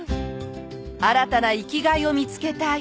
新たな生きがいを見つけたい。